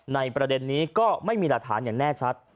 ประเด็นนี้ก็ไม่มีหลักฐานอย่างแน่ชัด